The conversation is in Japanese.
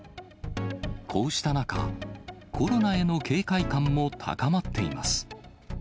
こうした中、コロナへの警戒感も高まっています。